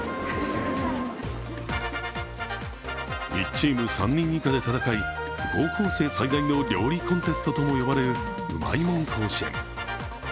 １チーム３人以下で戦い、高校生最大の料理コンテストとも呼ばれるうまいもん甲子園。